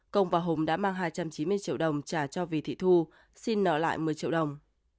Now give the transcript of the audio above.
công và hùng đã mang hai trăm chín mươi triệu đồng trả cho vi thị thu xin nợ lại một mươi triệu đồng